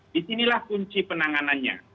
disinilah kunci penanganannya